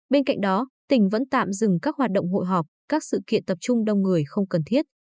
bên cạnh đó tỉnh vẫn tạm dừng các hoạt động hội họp các sự kiện tập trung đông người không cần thiết